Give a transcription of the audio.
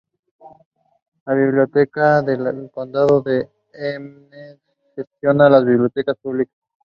He graduated from the Faculty of Chemistry at the Lodz University of Technology.